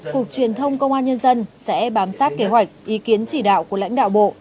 cục truyền thông công an nhân dân sẽ bám sát kế hoạch ý kiến chỉ đạo của lãnh đạo bộ